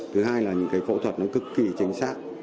thứ hai là những phẫu thuật cực kỳ chính xác